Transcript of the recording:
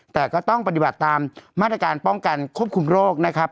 แต่ก็ต้องปฏิบัติตามมาตรการป้องกันควบคุมโรคนะครับ